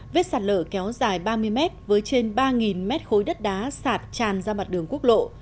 vết sạt lở kéo dài ba mươi mét với trên ba mét khối đất đá sạt tràn ra mặt đường quốc lộ